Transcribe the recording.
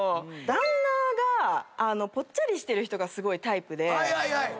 旦那がぽっちゃりしてる人がすごいタイプで。